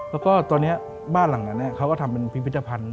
แล้วก็ตอนนี้บ้านหลังนั้นเขาก็ทำเป็นพิพิธภัณฑ์